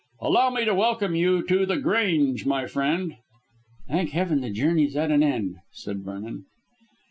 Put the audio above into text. "Allow me to welcome you to The Grange, my friend." "Thank heaven the journey's at an end," said Vernon.